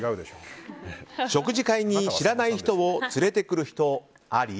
食事会に知らない人を連れてくる人、あり？